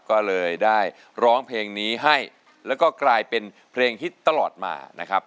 ก็เลยได้ร้องเพลงนี้ให้แล้วก็กลายเป็นเพลงฮิตตลอดมานะครับ